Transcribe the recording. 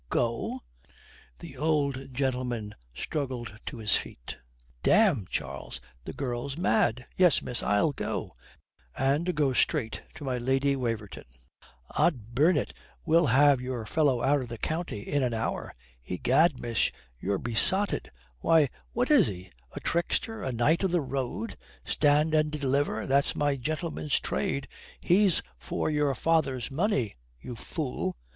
"Go?" The old gentleman struggled to his feet. "Damme, Charles, the girl's mad. Yes, miss, I'll go and go straight to my Lady Waverton. Od burn it, we'll have your fellow out of the county in an hour. Egad, miss, you're besotted. Why, what is he? a trickster, a knight of the road. 'Stand and deliver,' that's my gentleman's trade. He's for your father's money, you fool."